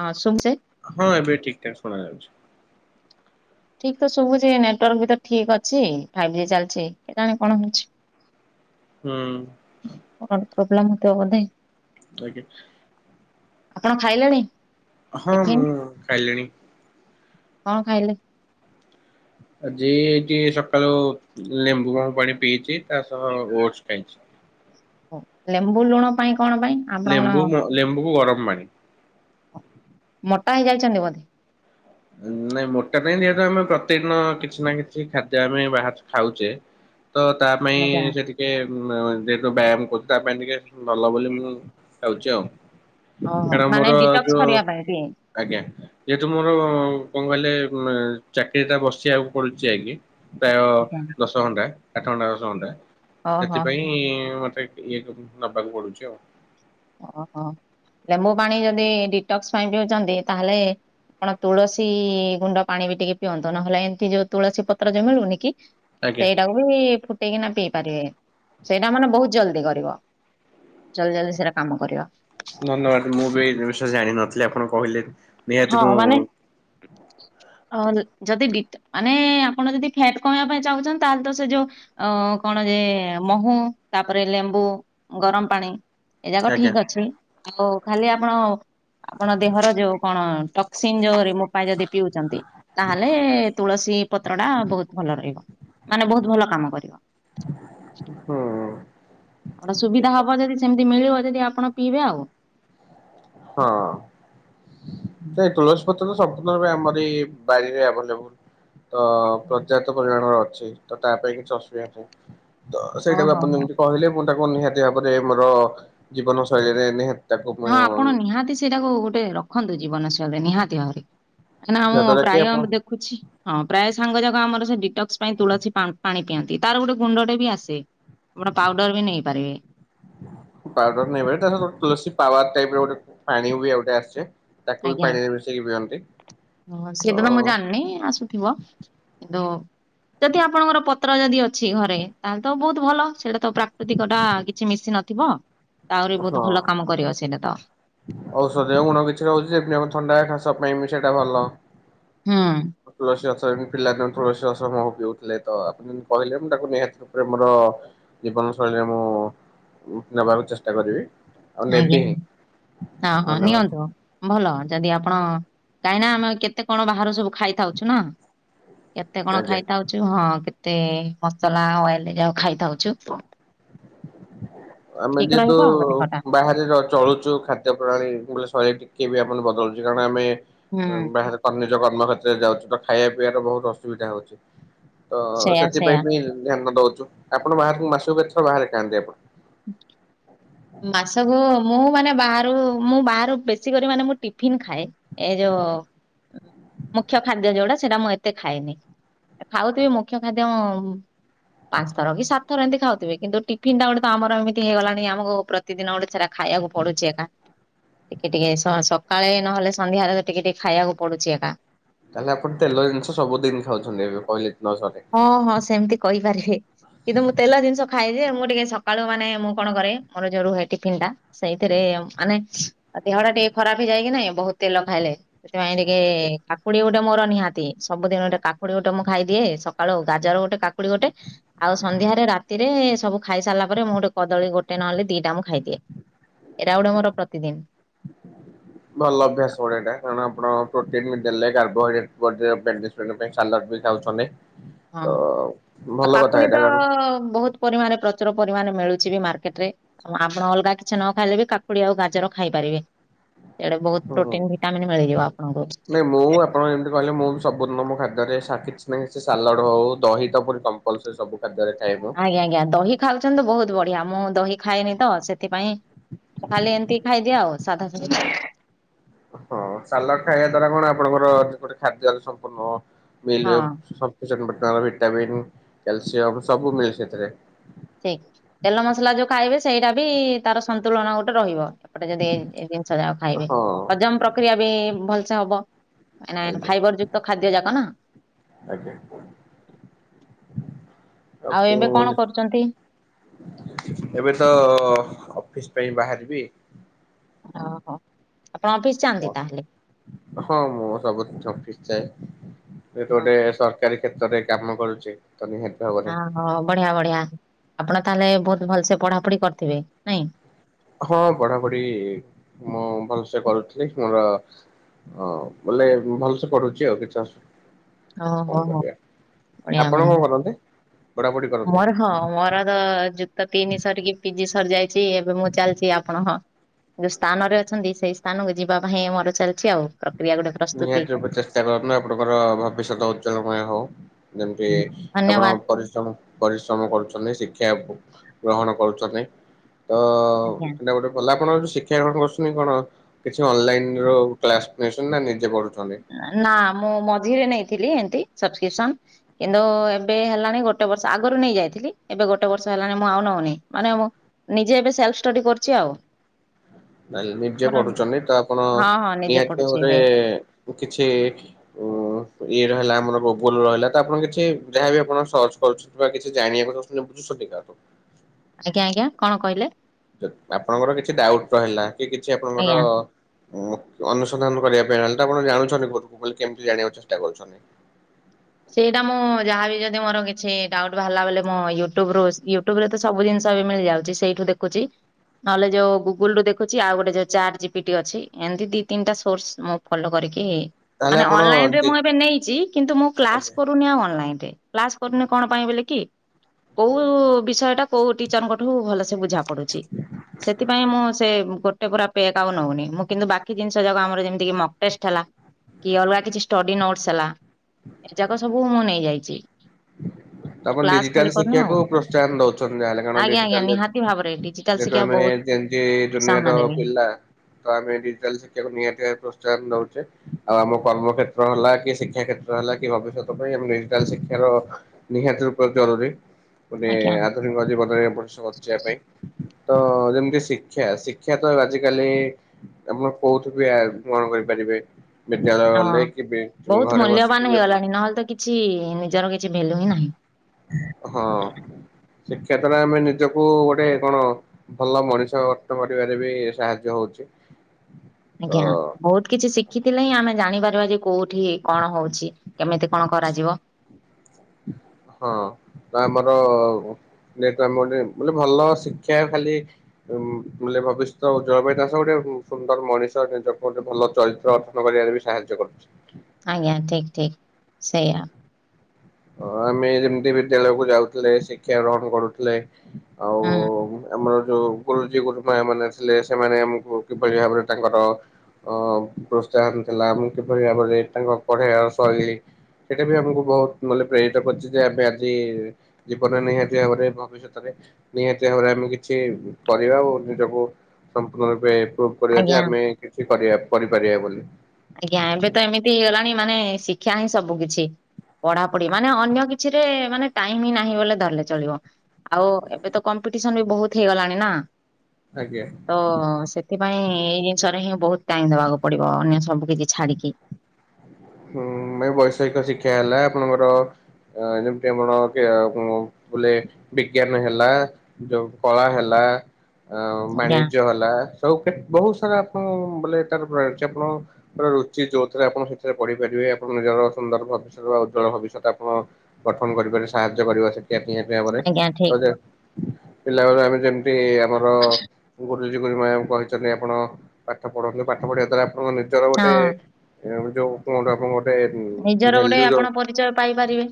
ହଁ ସୁ [unintelligible] ହଁ ଏବେ ଠିକ୍ ଠାକ୍ ଶୁଣାଯାଉଛି। ଠିକ୍ ତ ଶୁବୁଛି ନେଟୱାର୍କ ବି ତ ଠିକ ଅଛି ଫାଇଭ୍ ଜି ଚାଲିଛି। କେଯାଣି କଣ ହଉଛି? ହୁଁ। କଣ ପ୍ରୋବ୍ଲେମ ହଉଥିବା ବୋଧେ? ଆଜ୍ଞା। ଆପଣ ଖାଇଲେଣି? ହଁ ଟିଫିନ ମୁଁ ଖାଇଲିଣି। କଣ ଖାଇଲେ? ଆଜି ଏଇଠି ସକାଳୁ ଲେମ୍ବୁ ବାମ୍ବୁ ପାଣି ପିଇଛି ତା ସହ ଓଡସ୍ ଖାଇଛି। ହ ଲେମ୍ବୁ ଲୁଣ ପାଇଁ କଣ ପାଇଁ? ଆପଣ କଣ ଲେମ୍ବୁ ଲେମ୍ବୁକୁ ଗରମ ପାଣି। ମୋଟା ହେଇଯାଇଛନ୍ତି ବୋଧେ? ନାଇଁ ମୋଟା ପାଇଁ ଯେହେତୁ ଆମେ ପ୍ରତିଦିନ କିଛି ନା କିଛି ଖାଦ୍ୟ ଆମେ ବାହ ଖାଉଛେ ତ ତା ପାଇଁ ଆଜ୍ଞା। ସେଠି ଟିକେ ଯେହେତୁ ବ୍ୟାୟାମ କରୁଛି ତା ପାଇଁ ଟିକେ ଭଲ ବୋଲି ମୁଁ ଖାଉଛି ଆଉ। ଓହୋ କାରଣ ମାନେ ମୋର ଡିଟକ୍ସ ଯୋଉ କରିବା ପାଇଁ ବି? ଆଜ୍ଞା ଯେହେତୁ ମୋର କଣ କହିଲେ ଚାକିରିଟା ବସିବାକୁ ପଡ଼ୁଛି ଆଗେ ପ୍ରାୟ ଆଜ୍ଞା। ଦଶ ଘଣ୍ଟା ଆଠ ଘଣ୍ଟା ଦଶ ଘଣ୍ଟା ଓହୋ ହୋ ସେଥିପାଇଁ ମତେ ଇଏକୁ ନବାକୁ ପଡୁଛି ଆଉ। ଓହୋ ଲେମ୍ବୁ ପାଣି ଯଦି ଡିଟକ୍ସ ପାଇଁ ପିଉଛନ୍ତି ତାହେଲେ ଆପଣ ତୁଳସୀ ଗୁଣ୍ଡ ପାଣି ବି ଟିକେ ପିଅନ୍ତୁ ନହେଲେ ଏମିତି ଯୋଉ ତୁଳସୀ ପତ୍ର ଯୁ ମିଳୁନି କି? ଆଜ୍ଞା ସେଇଟାକୁ ବି ଫୁଟେଇକିନା ପିଇ ପାରିବେ ସେଇଟା ମାନେ ବହୁତ ଜଲଦି କରିବ। ଜଲଦି ଜଲଦି ସେଇରା କାମ କରିବ। ଧନ୍ୟବାଦ ମୁଁ ବି ଏଇ ଜିନିଷ ଜାଣିନଥିଲି ଆପଣ କହିଲେ। ନିହାତି ହଁ ମୁଁ ମାନେ ଅ ଯଦି ମାନେ ଆପଣ ଯଦି ଫ୍ୟାଟ କମେଇବା ପାଇଁ ଚାହୁଁଛନ୍ତି ତାହେଲେ ତ ସେ ଯୋଉ ଅ କଣ ଯେ ମହୁ ତାପରେ ଲେମ୍ବୁ ଗରମ ପାଣି। ଏ ଯାକ ଆଜ୍ଞା ଠିକ ଅଛି ଆଉ ଖାଲି ଆପଣ ଆପଣ ଦେହର ଯ କଣ ଟକ୍ସିନ୍ ଯୋଉ ରିମୁବ ପାଇଁ ଯଦି ପିଉଛନ୍ତି। ତାହେଲେ ତୁଳସୀ ପତ୍ର ଟା ବହୁତ ଭଲ ରହିବ ମାନେ ବହୁତ ଭଲ କାମ କରିବ। ହୁଁ। ଗୋଟେ ଠିକ ସୁବିଧା ହବ କଥା ଯଦି ସେମିତି ମିଳିବ ଯଦି ଆପଣ ପିଇବେ ଆଉ। ହଁ ନାଇଁ ତୁଳସି ପ ସମ୍ପୂର୍ଣ ରୂପେ ଆମରି ବାରିରେ ଆଭେଲେବୁଲ ତ ପ୍ରଜା ପରିମାଣର ଅଛି ତ ତା ପାଇଁ କିଛି ଅସୁବିଧା ନାହିଁ। ତ ସେଇଟା ହଁ ବି ହଁ ଆପଣ ହଁ। ଯେମିତି କହିଲେ [unintelligible] ନିହାତି ଭାବରେ ମୋର ଜୀବନ ଶୈଳୀରେ ନିହା ହଁ ଆପଣ ନିହାତି ସେଇଟାକୁ ଗୋଟେ ରଖନ୍ତୁ ଜୀବନ ଶୈଳିରେ ନିହାତି ଭାବରେ। କାହିଁକି ନା ଯାହା ମୁଁ ଦ୍ଵାରା କି ଆପଣ ପ୍ରାୟ ଦେଖୁଛି ହଁ ପ୍ରାୟ ସାଙ୍ଗ ଯାକ ଆମର ସେ ଡିଟ ସିପାଇଁ ତୁଳସୀ ପା ପାଣି ପିଆନ୍ତି ତାର ଗୋଟେ ଗୁଣ୍ଡ ଟେ ବି ଆସେ ବଡ ପାଉଡର ବି ନେଇପାରିବେ। ପାଉଡର ନେବେ ତା ସହିତ ତୁଲସୀ ପାୱାର ଟାଇପରେ ଗୋଟେ ପାଣି ବି ଆଉ ଗୋଟେ ଆସେ। ତାକୁ ବି ଆଜ୍ଞା ପାଣିରେ ମିଶେଇକି ପିଅନ୍ତି ତ ସେଇଟାତ ମୁଁ ଜାଣିନି ଆସୁଥିବ। ହେଦୁ ଯଦି ଆପଣଙ୍କର ପତ୍ର ଯଦି ଅଛି ଘରେ ତାହେଲେ ତ ବହୁତ ଭଲ ସେଇଟା ତ ପ୍ରାକୃତିକ ଟା କିଛି ମିଶି ନଥିବ। ଆହୁରି ବୋହୁତ ହଁ ଭଲ କାମ କରିବ ସେଇଟା ତ। ଔଷଧୀୟ ଗୁଣ କିଛି ରହୁଛି ଯେମିତି ଆମ ଥଣ୍ଡା ଖାସ ପାଇଁ ବି ସେଇଟା ଭଲ। ହୁଁ ତୁଳସୀ ଗଛ ଏମ ପିଲାଦିନୁ ତୁଳସୀ ରସ ମୋହୁ ପିଉଥିଲେ ତ ଆପଣ ଯେମତି କହିଲେ ମୁ ତାକୁ ନିହାତି ମୋର ଜୀବନ ଶୈଳୀରେ ମୁଁ ନେବାକୁ ଚେଷ୍ଟା କରିବି ଆଉ ଆଜ୍ଞା ନେବି ହିଁ। ହଁ ହଁ ଧନ୍ୟବାଦ ନିଅନ୍ତୁ ଭଲ ଯଦି ଆପଣ କାହିଁ ନା ଆମେ କେତେ କଣ ବାହାରୁ ସବୁ ଖାଇଥାଉଛୁ ନା କେତେ କଣ ଆଜ୍ଞା। ଖାଇଥାଉ। ଚୁ ହଁ କେତେ ମସଲା ଅଏଲ ଯା ଖାଇଥାଉଛୁ। ଆମେ ଠିକ ଯେହେତୁ ରହିବ ଆଉ ଦେହଟା ବାହାରେ ର ଚଳୁଚୁ ଖା ପ୍ରଣାଳୀ ଶୈଳୀ ଟିକେ ବି ଆମ ବଦଳଉୁଛି କାରଣ ଆମେ ହୁଁ ଏ ବାହା ତ ନିଜ କର୍ମ କ୍ରମକ୍ଷତ୍ରରେ ଯାଉଛି ତ ଖାଇବା ପଇବାର ବହୁତ ଅସୁବିଧା ହଉଛି। ତ ସେଇୟା ସେଥିପାଇଁ ସେଇୟା। ବି ଧ୍ୟାନ ଦଉଛୁ ଆପଣ ବାହାରକୁ ମାସକୁ କେ ଥର ବାହାରେ ଖାଆନ୍ତି ଆପଣ? ମାସକୁ ମୁଁ ମାନେ ବାହାରୁ ମୁଁ ବାହାରୁ ବେଶୀ କରି ମାନେ ମୁଁ ଟିଫିନ ଖାଏ। ଏ ଯୋଉ ମୁଖ୍ୟ ଖାଦ୍ୟ ଯୋଉଡା ସେଟା ମୁଁ ଏତେ ଖାଏନି। ଖାଉଥିବି ମୁଖ୍ୟ ଖାଦ୍ୟ ପାଞ୍ଚ ଥର କି ସାତ ଥର ଏମିତି ଖାଉଥିବି। କିନ୍ତୁ ଟିଫନ୍ ଟା ଗୋଟେ ତ ଆମର ଏମିତି ହେଇଗଲାଣି, ଆମକୁ ପ୍ରତିଦିନ ଗୋଟେ ସେରା ଖାଇବାକୁ ପଡୁଛି ଏକା। ଟିକେ ଟିକେ ସ ସକାଳେ ନହେଲେ ସନ୍ଧ୍ୟାରେ ତ ଟିକେ ଟିକେ ଖାଇବାକୁ ପଡୁଛି ଏକା। ତାହେଲେ ଆପଣ ତେଲ ଜିନିଷ ସବୁଦିନି ଖାଉଚନ୍ତି, ଏବେ କହିଲେ ନ ସରେ। ହଁ ହଁ ସେମିତି କହିପାରିବେ। କିନ୍ତୁ ମୁଁ ତେଲ ଜିନିଷ ଖାଏ ଯେ, ମୁଁ ଟିକେ ସକାଳୁ ମାନେ ମୁଁ କଣ କରେ ମୋର ଯୋଉ ରୁହେ ଟିଫିନ ଟା। ସେଇଥିରେ ମାନେ ଆ ଦେହ ଟା ଟିକେ ଖରାପ ହେଇଯାଏକି ନାଇଁ ବହୁତ ତେଲ ଖାଇଲେ। ସେଥିପାଇଁ ଟିକେ କାକୁଡି ଗୋଟେ ମୋର ନିହାତି ସବୁଦିନ ଗୋଟେ କାକୁଡି ଗୋଟେ ମୁଁ ଖାଇଦିଏ ସ ସକାଳୁ ଗାଜର ଗୋଟେ କାକୁଡି ଗୋଟେ। ଆଉ ସନ୍ଧ୍ୟାରେ ରାତିରେ ସବୁ ଖାଇସାରିଲା ପରେ ମୁଁ ଗୋଟେ କଦଳୀ ଗୋଟେ ନହେଲେ ଦିଟା ମୁଁ ଖାଇଦିଏ। ଏଇଟା ଗୋଟେ ମୋର ପ୍ରତିଦିନ୍। ଭଲ ଅଭ୍ୟାସ ଗୋଟେ ଏଇଟା କାରଣ ଆପଣ ପ୍ରୋଟିନ୍ ବି ଦେଲେ କାର୍ବୋହାଇଡ୍ରେଟ୍ ବଡି [inaudible] ପାଇଁ ସାଲାଡ୍ ବି ଖାଉଛନ୍ତି। ହଁ ତ ଆଉ ଭଲ କଥା କାକୁଡ଼ି ଏଇଟା ତ କାରଣ ବହୁତ ପରିମାଣରେ ପ୍ରଚୁର ପରିମାଣରେ ମିଳୁଛି ବି ମାର୍କେଟ ରେ। ଆପଣ ଅଲଗା କିଛି ନ ଖାଇଲେ ବି କାକୁଡି ଆଉ ଗାଜର ଖାଇପାରିବେ। ସିଆଡ଼େ ବହୁତ ହୁଁ ପ୍ରୋଟିନ୍ ଭିଟାମନ୍ ମିଳିଯିବ ଆପଣଙ୍କୁ। ନାଇଁ ମୁଁ ଆପଣ ଯେମିତି କହିଲେ ମୁଁ ବି ସବୁଦିନ ମୋ ଖାଦ୍ୟରେ ସାଆ କିଛି ନାହିଁ କିଛି ସାଲଡ଼ ହେଉ ଦହି ତ ପୁଣି କମ୍ପ ଲସରି ସବୁ ଖାଦ୍ଯ ଆଜ୍ଞା ଆଜ୍ଞା ଦହି ଖାଉଛନ୍ତି ତ ବହୁତ ବଢିଆ ମୁଁ ଦହି ଖାଏନି ତ ସେଥିପାଇଁ। ମୁଁ ଖାଲି ଏମିତିି ଖାଇଦିଏ ଆଉ ସାଧା ସାଧା। ହଁ ସାଲଡ଼ ଖାଇବା ଦ୍ଵାରା କଣ ଆପଣଙ୍କର ସେପଟେ ଖାଦ୍ୟରେ ସମ୍ପୂର୍ଣ୍ଣ ହଁ ମିଲ ସ [inaudible] ଭିଟାମିନ୍ କ୍ୟାଲସିୟମ୍ ସବୁ ମିଳେ ସେଥିରେ। ଠିକ୍ ତେଲ ମସଲା ଯୋଉ ଖାଇବେ ସେଇଟା ବି ତାର ସନ୍ତୁଳନ ଗୋଟେ ରହିବ ଏପଟେ ଯଦି ଯାହା ଖାଇବେ ହଁ ହଜମ ପ୍ରକ୍ରିୟା ବି ଭଲସେ ହବ। ଏଣେ ଆଜ୍ଞା ଫାଇବର ଯୁକ୍ତ ଖାଦ୍ୟ ଯାକ ନା। ଆଜ୍ଞା ଆଉ ଏବେ କଣ [unintelligible] କରୁଛନ୍ତି? ଏବେ ତ ଅଫିସ୍ ପାଇଁ ବାହାରିବି। ଓହୋ। ଆପଣ ଅଫିସ ଯାଆନ୍ତି ତାହେଲେ? ହଁ ମୁଁ ସବୁ ଦିନ ଅଫିସ୍ ଯାଏ ଗୋଟେ ଗୋଟେ ସର କାରୀ କ୍ଷେତ୍ରରେ କାମ କରୁଚି ତ ନିହାତି। ଭାବରେ ଓହୋ ବଢିଆ ବଢିଆ ଆପଣ ତାହେଲେ ବହୁତ ଭଲସେ ପଢାପଢି କରିଥିବେ ନାଇଁ? ହଁ ପଢାପଢି ମୁଁ ଭଲସେ କରୁଥିଲି ମୋର ହଁ ବୋଲେ ଭଲସେ ପଢୁଛି ଆଉ କିଛି ଅସୁ ହଁ କଣ ହଁ ହଁ। କରିବା ବଢଆ ଆପଣ କଣ କରନ୍ତି? ପଢାପଢି ବଢିଆ କରନ୍ତି ମୋର ହଁ ମୋର ତ ଯି କ୍ତ ତିନି ସରିକି ପିଜି ସରି ଯାଇଛି ଏବେ ମୁଁ ଚାଲିଛି ଆପଣ ହଁ। ଯୋଉ ସ୍ଥାନ ରେ ଅଛନ୍ତି ସେଇ ସ୍ଥାନକୁ ଯିବା ପାଇଁ ଆମର ଚାଲିଛି ଆଉ ପ୍ର ନିହାତି ରୂପେ ଚେଷ୍ଟା କରନ୍ତୁ ଆପଣଙ୍କର ଭବିଷ୍ୟତ ଉଜ୍ଜଳମୟ ହଉ। ଯେମିତି ଆପଣ ଧନ୍ୟବାଦ ପରିଶ୍ରମ ପରିଶ୍ରମ କରୁଛନ୍ତି ଶିକ୍ଷା ଗ୍ରହଣ କରୁଛନ୍ତି ତ ଆଜ୍ଞା। ସେଟା ଗୋଟେ କହିଲି ଆପଣ ଯୋଉ ଶିକ୍ଷା ଗ୍ରହଣ କରୁଛନ୍ତି କଣ କିଛି ଅନଲାଇନ୍ ରୁ କ୍ଲାସ ନଉଛନ୍ତି ନା ନିଜେ ପଢୁଛନ୍ତି? ନା ମୁଁ ମଝିରେ ନେଇଥିଲି ଏମତି ସବ୍ ସ୍କ୍ରିପସନ। କିନ୍ତୁ ଏବେ ହେଲାଣି ଗୋଟେ ବର୍ଷ ଆଗରୁ ନେଇ ଯାଇଥିଲି ଏବେ ଗୋଟେ ବର୍ଷ ହେଲାଣି ମୁଁ ଆଉ ନଉନି ମାନେ ମୁଁ ନିଜେ ଏବେ ସେଲ୍ଫ ଷ୍ଟଡି କରିଛି ଆଉ। ନାଇଁ ନିଜେ ଆମର ପଢୁଛନ୍ତି ତ ଆପଣ ହଁ ହଁ ନିଜେ ନିହାତି ପଢୁଛି ଭାବରେ ଏବେ କିଛି ଉଁ ଇଏ ରହିଲା ଆମର ଗୁଗୁଲ ରହିଲା ତ ଆପଣ କିଛି ଯାହା ବି ଆପଣ ସର୍ଚ୍ଚ କରୁଛନ୍ତି ବା କିଛି ଜାଣିବାକୁ ଚାହୁଛନ୍ତି। [inaudible] ଆଜ୍ଞା ଆଜ୍ଞା କଣ କହିଲେ? ଆପଣଙ୍କର କିଛି ଡାଉଟ୍ ରହିଲା କି କିଛି ଆପଣଙ୍କର ଆଜ୍ଞା। ଉଁ ଅନୁସନ୍ଧାନ କରିବା ପାଇଁ ଆଲେ ତ ଆପଣ ଜାଣୁଛନ୍ତି ମୁଁ କହିଲି କେମତି ଜାଣିବାକୁ ଚେଷ୍ଟା କରୁଛନ୍ତି? ସେଇଟା ମୁଁ ଯାହାବି ଯଦି ମୋର କିଛି ଡାଉଟ ବାହାରିଲା ବୋଲେ, ମୁଁ ୟୁଟୁବରୁ ୟୁ ୟୁଟୁବରେ ତ ସବୁଜିନିଷ ଏବେ ମିଳିଯାଉଚି, ସେଇଠୁ ଦେଖୁଚି। ନହେଲେ ଯୋଉ ଗୁଗୁଲ ରୁ ଦେଖୁଛି, ଆଉ ଗୋଟେ ଯୋଉ ଚାର ଜିପିଟି ଅଛି, ଏମିତି ଦି ତିନିଟା ସୋର୍ସ ମୁଁ ଫଲୋ କରିକି, ତାହେଲେ ମାନେ ଆପଣ ଅନଲାଇନ ରେ ଡି ମୁଁ ଏବେ ନେଇଚି, କିନ୍ତୁ ମୁଁ କ୍ଲାସ ଆଜ୍ଞା କର୍ ଅନଲାଇନରେ, କ୍ଲାସ କରୁନି ଆଉ କଣ ପାଇଁ ବୋଲି କି? କୋଉ ବିଷୟାଟା କୋଉ ଟି ଟିଚରଙ୍କଠୁ ଭଲସେ ବୁଝା ପଡୁଚି, ସେଥିପାଇଁ ମୁଁ ସେ ଗୋ ଟେ ପୁରା ପେକ ଆଉ ନଉନି, ମୁଁ କିନ୍ତୁ ବାକି ଜିନିଷ ଯାକ ଆମର ଯେମିତି ମକଟେଷ୍ଟ ହେଲା କି ଅଲଗା କିଛି ଷ୍ଟଡି ନୋଟ୍ସ ହେଲା। [unintelligible] ଏ ଯାକ ସବୁ ମୁଁ ନେଇଯାଇଚି। ଆପଣ ଡିଜିଟାଲ ହବ ଶିଖିବାକୁ ପ୍ରୋତ୍ସାହନ ଦଉଛନ୍ତି ଯାହାହେଲେ, କାରଣ ଆଜ୍ଞା ଆଜ୍ଞା ଡିଜିଟାଲ ରେ ନିହାତି ଭାବରେ ଡିଜିଟାଲ ଯେହେତୁ ଶିକ୍ଷା ଆମେ ବହୁତ ଯେମିତି ପ୍ରୋତ୍ସାହନ ଜୁନିଅର ଦେବି ପିଲା ତ ଆମେ, ଡିଜିଟାଲ ଶିକ୍ଷାକୁ ନିହାତି ଭାବେ ପ୍ରୋତ୍ସାହନ ନଉଚେ। ଆଉ ଆମ କର୍ମ କ୍ଷେତ୍ର ହେଲା, କି ଶିକ୍ଷା କ୍ଷେତ୍ର ହେଲା, କି ଭବିଷ୍ୟତ ପାଇଁ, ଆମେ ଡିଜିଟାଲ ଶିକ୍ଷାର ନିହାତି ରୂପରେ ଜରୁରୀ, ମାନେ ଆଜ୍ଞା ଆଧୁନିକ ଜୀବନରେ ମଣିଷ ବଞ୍ଚିବା ପାଇଁ। ତ ଯେମିତି ଶିକ୍ଷା, ଶିକ୍ଷା ତ ଆଜିକାଲି ଆପଣ କୋଉଠି ବି, ଗ୍ରହଣ କରିପାରିବେ। ବିଦ୍ୟାଳୟ ଗଲେ, କି ବି, ଘରେ ବସିକ ବି ଆପଣ ନହେଲ ତ କି ଛି, ନିଜର କିଛି ଭେଲ୍ୟୁ ହିଁ ନାହିଁ। ହଁ, ଶିକ୍ଷା ଦ୍ଵାରା ଆମେ ନିଜକୁ ଗୋଟେ କଣ ଭଲ ମଣିଷ ଅର୍ତକରିବାରେ ବି ସାହାଯ୍ୟ ହଉଛି। ତ ଆଜ୍ଞା, ବହୁତ କିଛି ଶି ଶିଖିଥିଲେ ହିଁ ଆମେ ଜାଣିପାରିବା ଯେ, କୋଉଠି କଣ ହଉଛି? କେମିତି କଣ କରାଯିବ? ହଁ, ଆମର ନେଟମୋଡରେ, ମାନେ ଭଲ ଶିକ୍ଷା ଖାଲି ମୂଲ୍ୟ ଭବିଷ୍ୟତ ଜଳବାଇ ଦାସ ଗୋଟେ, ସୁନ୍ଦର ମଣିଷ ନିଜକୁ ଗୋଟେ ଭଲ ଚରିତ୍ର ଗ ନକରିବାରେ ବି ସାହାଯ୍ୟ କରୁଛି। ଆଜ୍ଞା, ଠିକ ଠିକ, ସେଇଆ। ଆମେ ଯେମିତି ବିଦ୍ୟାଳୟକୁୁ ଯାଉଥିଲେ, ଶିକ୍ଷା ଗ୍ରହଣ କରୁଥିଲେ, ଆଉ ହୁଁ। ଆଉ, ଆମର ଯୋଉ ଗୁରୁଜୀ, ଗୁରୁମା ମାନେ ଥିଲେ ସେମାନେ ଆମକୁ କିଭଳି ଭାବରେ ତାଙ୍କର ଅ ପ୍ରୋତ୍ସାହନ ଥିଲା, ଆମକୁ କିଭଳି ଭାବରେ ତାଙ୍କ ପଢେଇଆର ଶୈଳୀ ସେଇଟା ବି ଆମକୁ ବହୁତ ଗଲେ ପ୍ରେରିତ କରିଚି ଯେ, ଆମେ ଆଜି ଜୀବନରେ ନିହାତି ଭାବରେ ଭବିଷ୍ୟତରେ ନିହାତି ଭାବରେ ଆମେ କିଛି କରିବା ଓ ନିଜକୁ ସମ୍ପୂର୍ଣ୍ଣ ରୂପେ କରିବା ଯେ, ଆଜ୍ଞା। ଆମେ କିଛି କରିବା, କରିପାରିବା ବୋଲି। ଆଜ୍ଞା, ଏବେ ତ ଏମିତି ହେଇଗଲାଣି, ମାନେ ଶିକ୍ଷା ହିଁ ସବୁ କିିଛି। ପଢାପଢି, ମାନେ ଅନ୍ୟ କିଛିରେ ମାନେ ଟାଇମ ହଁ ନାହିଁ ବୋଲେ ଧରିଲେ ଚଳିବ। ଆଉ, ଏବେ ତ କମ୍ପିଟିସନ ବି ବହୁତ ହେଇଗଲାଣି ନା। ଆଜ୍ଞା। ତ, ସେଥିପାଇଁ ଏଇ ଜିନିଷରେ ହିଁ ବହୁତ ଟାଇମ ଦବାକୁ ପଡିବ, ଅନ୍ୟ ସବୁ କିଛି ଛାଡିକି। ହୁଁ ବୈଷୟିକ ଶିକ୍ଷା ହେଲା, ଆପଣଙ୍କର, ଯେମିତି ଆପଣ [unintelligible] ବୋଲେ, ବିଜ୍ଞାନ ହେଲା ଯୋଉ କଳା ହେଲା ଅ ଆଜ୍ଞା ବାଣିଜ୍ୟ ହେଲା, ସବୁ ବହୁତ ସାରା ଆପଣ ବୋଲେ ତାର ପ୍ର ଅଛି, ଆପଣ ହର ରୁଚି ଯୋଉଥିରେ ଆପଣ ସେଥିରେ ପଢ଼ିପାରିବେ ଆପଣ ନିଜର ସୁନ୍ଦର ଭବିଷ୍ୟତ ବା ଉଜ୍ଜଳ ଭବିଷ୍ୟତ ଆପଣ ଗଠନ କରିପାରି ସାହାଯ୍ୟ କରିବା ସେ ଟେ ନିହାତି ଭାବରେ ଆଜ୍ଞା ତ ଠିକ ଯେ ପିଲାବେଳୁ ଆମେ ଯେମିତି ଆମର ଗୁରୁଜୀ ଗୁରୁ ମ୍ୟାମ୍ କହିଚନ୍ତି ଆପଣ ପାଠ ପଢ଼ନ୍ତୁ ପାଠ ପଢ଼ିବା ଦ୍ଵାରା ଆପଣଙ୍କ ନିଜର ଗୋଟେ ହଁ ଏ ଯୋଉ କଣ ଗୋଟେ ଆପଣ ଗୋଟେ ନିଜର ଗୋଟେ ଭ୍ୟାଲୁ ଯଉ ଆପଣ ପରିଚୟ ପାଇପାରିବେ।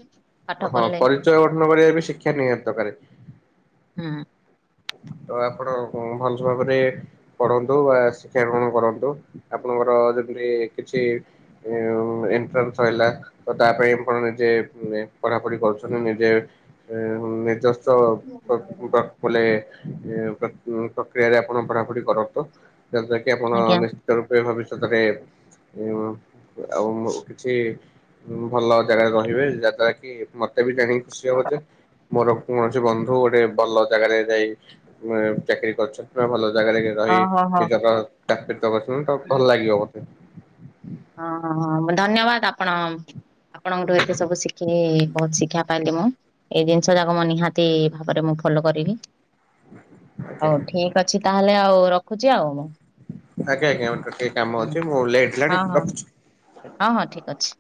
ପାଠ ହଁ ପଢିଲେ ପରିଚୟ ଗଠନ କରିବା ବି ଶିକ୍ଷା ନିହାତି ଦକାରେ। ହଁ। ତ ଆପଣ ଭଲ ଭାବରେ ପଢ଼ନ୍ତୁ ବା ଶିକ୍ଷା ଗ୍ରହଣ କରନ୍ତୁ ଆପଣଙ୍କର ଯେମତି କିଛି ଇ ଓ ଏଣ୍ଟ୍ରାନ୍ସ ହେଲା ତ ତା ପାଇଁ ଆପଣ ନିଜେ ଏ ପଢ଼ାପଢ଼ି କରୁଛନ୍ତି। ନିଜେ ଏହଁ ନିଜସ୍ ତ ଫ ବା ବୋଲେ ଏ ପ୍ରକ୍ ପ୍ରକ୍ରିୟାରେ ଆପଣ ପଢ଼ାପଢ଼ି କରନ୍ତୁ। ଯା ଦ୍ୱାରା କି ଆପଣ ଆଜ୍ଞା ନିଶ୍ ତ ରୂପେ ଭବିଷ୍ୟତରେ ଇଉଁ ଆଉ କିଛି ଉଁ ଭଲ ଜାଗାରେ ରହିବେ ଯାହା ଦ୍ଵାରା କି ମତେ ବି ଜାଣିକି ଖୁସି ହବ ଯେ ମୋର କୌଣସି ବନ୍ଧୁ ଗୋଟେ ଭଲ ଜାଗାରେ ଯାଇ ମେଁ ଚାକିରୀ କରିଛନ୍- ଅରେ ଭଲ ଜାଗାରେ ରହି ଓହୋ ହୋ ନିଜର ଚାକିରୀ ତ କରୁଛନ୍ତି ତ ହଁ ଭଲ ଲାଗିବ ମତେ। ହଁ ହଁ ଧନ୍ୟବାଦ ଆପଣ ଆପଣଙ୍କ ଠୁ ଏତେ ସବୁ ଶିଖିଲି ବହୁତ ଶିକ୍ଷା ପାଇଲି ମୁଁ। ଏଇ ଜିନିଷଟାକୁ ମୁଁ ନିହାତି ଭାବରେ ମୁଁ ଫଲୋ କରିବି। ଆଜ୍ଞା ହଉ ଠିକ୍ ଅଛି ତାହେଲେ ଆଉ ରଖୁଚି ଆଉ। ଆଜ୍ଞା ଆଜ୍ଞା ଓଠ ଟିକେ କାମ ହୁଁ ଅଛି ମୁଁ ଲେଟ୍ ହଁ ହେଲାଣି ହଁ ରଖୁଚି। ହଁ ହଁ ଠିକ୍ ଅଛି।